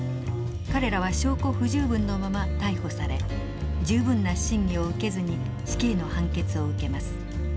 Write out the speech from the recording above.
彼らは証拠不十分のまま逮捕され十分な審議を受けずに死刑の判決を受けます。